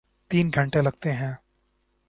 تین گھنٹے لگتے ہیں۔